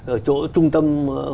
ở chỗ trung tâm